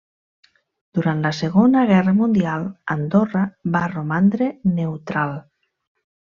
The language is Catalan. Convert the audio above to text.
Durant la Segona Guerra Mundial, Andorra va romandre neutral.